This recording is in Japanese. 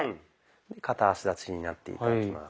片足立ちになって頂きます。